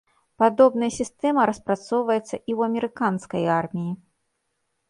Падобная сістэма распрацоўваецца і ў амерыканскай арміі.